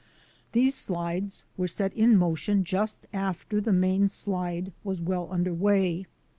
These slides were set in motion just after the main slide was well under way.